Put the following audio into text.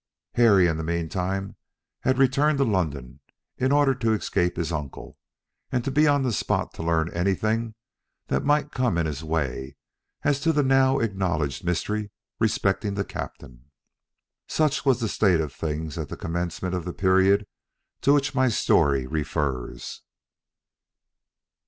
Harry in the mean time had returned to London, in order to escape his uncle, and to be on the spot to learn anything that might come in his way as to the now acknowledged mystery respecting the captain. Such was the state of things at the commencement of the period to which my story refers.